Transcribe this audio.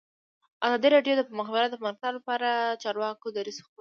ازادي راډیو د د مخابراتو پرمختګ لپاره د چارواکو دریځ خپور کړی.